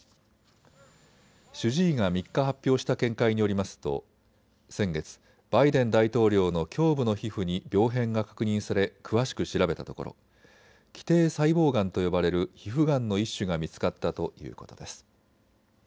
主治医が３日発表した見解によりますと先月、バイデン大統領の胸部の皮膚に病変が確認され詳しく調べたところ基底細胞がんと呼ばれる皮膚がんの一種が見つかったということです。